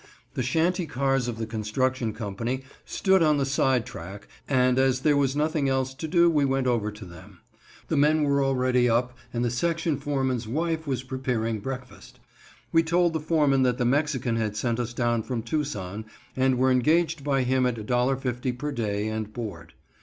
The shanty cars of the construction company stood on the side track, and as there was nothing else to do we went over to them. The men were already up and the section foreman's wife was preparing breakfast. We told the foreman that the Mexican had sent us down from Tucson, and were engaged by him at $1.50 per day and board.